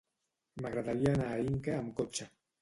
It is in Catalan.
M'agradaria anar a Inca amb cotxe.